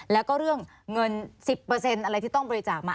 แล้วก็เรื่องเงิน๑๐อะไรที่ต้องบริจาคมา